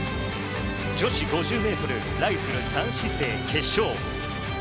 女子５０ｍライフル３姿勢、決勝。